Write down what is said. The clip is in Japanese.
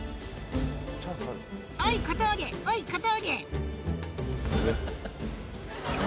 おい、小峠、おい、小峠。